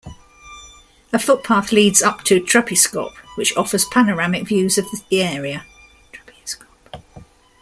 A footpath leads up to Trappieskop which offers panoramic views of the area.